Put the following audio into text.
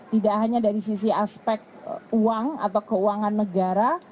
tidak hanya dari sisi aspek uang atau keuangan negara